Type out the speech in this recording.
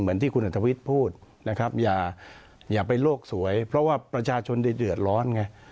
ที่คุณอัธวิทย์พูดนะครับอย่าไปโลกสวยเพราะว่าประชาชนได้เดือดร้อนไง